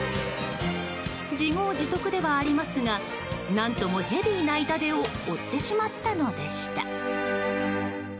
自業自得ではありますが何ともヘビーな痛手を負ってしまったのでした。